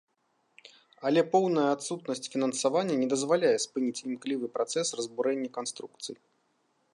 Але поўная адсутнасць фінансавання не дазваляе спыніць імклівы працэс разбурэння канструкцый.